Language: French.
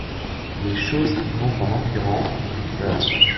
Les choses qui vont en empirant me font peur.